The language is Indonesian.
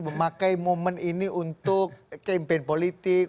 memakai momen ini untuk campaign politik